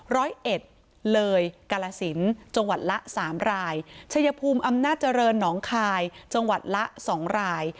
ร้อยเอ็ดเลยกาลสินจังหวัดละสามรายชายภูมิอำนาจเจริญหนองคายจังหวัดละสองราย